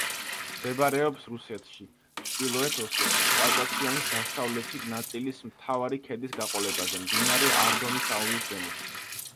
მდებარეობს რუსეთში, ჩრდილოეთ ოსეთში, კავკასიონის დასავლეთი ნაწილის მთავარი ქედის გაყოლებაზე, მდინარე არდონის აუზის ზემოთში.